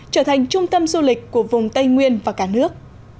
trở thành trung tâm du lịch của vùng tây nguyên và cả nước